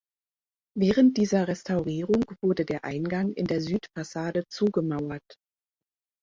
Während dieser Restaurierung wurde der Eingang in der Südfassade zugemauert.